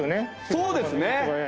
そうですね。